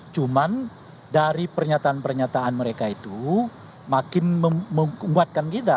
cuman dari pernyataan pernyataan mereka itu makin menguatkan kita